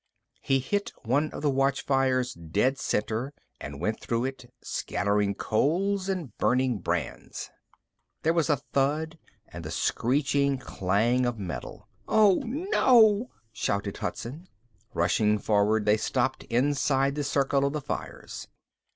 He hit one of the watchfires dead center and went through it, scattering coals and burning brands. Then there was a thud and the screeching clang of metal. "Oh, no!" shouted Hudson. Rushing forward, they stopped inside the circle of the fires.